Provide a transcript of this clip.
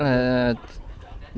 và m acrylic thi